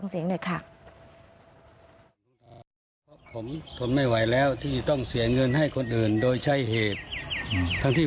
เอาฟังเสียงหน่อยค่ะ